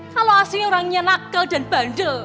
kalau asli orangnya nakal dan bandel